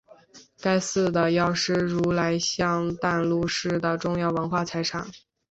该寺的药师如来像为淡路市的重要文化财产。